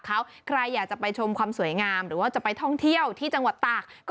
ใครอยากจะชมความสวยงามหรือจะไปท่องเที่ยวจังหวัดตาก